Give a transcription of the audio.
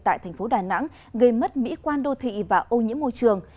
tại thành phố đà nẵng gây mất mỹ quan đô thị và ô nhiễm môi trường